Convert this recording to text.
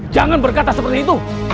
jangan berkata seperti itu